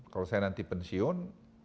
kalau saya nanti pensiun